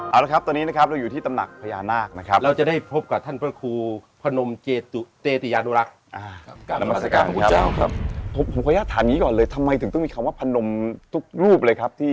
เอาละครับตอนนี้นะครับเราอยู่ที่ตำหนักพญานาคนะครับ